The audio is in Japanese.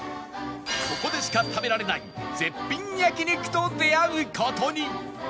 ここでしか食べられない絶品焼肉と出会う事に